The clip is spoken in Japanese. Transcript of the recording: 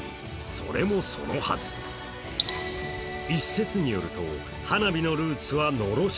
それもそのはず、一説によると花火のルーツはのろし。